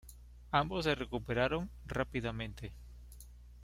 Ambos se recuperaron rápidamente.